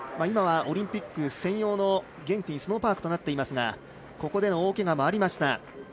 今は、オリンピック専用のゲンティンスノーパークとなっていますがここでの大けがもありました。